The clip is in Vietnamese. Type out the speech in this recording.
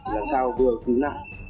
làm sao vừa cứu nạn